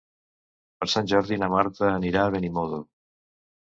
Per Sant Jordi na Marta anirà a Benimodo.